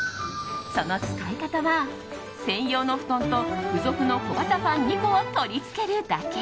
その使い方は、専用の布団と付属の小型ファン２個を取り付けるだけ。